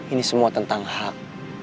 ini semua tentang hak